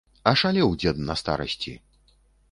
Ашалеў дзед на старасці.